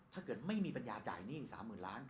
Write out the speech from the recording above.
ถ้าเกิดไม่มีปัญญาจ่ายหนี้๓๐๐๐ล้าน